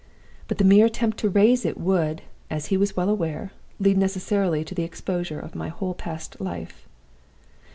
But the mere attempt to raise it would, as he was well aware, lead necessarily to the exposure of my whole past life.